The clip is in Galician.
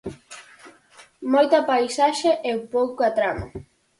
Moita paisaxe e pouca trama.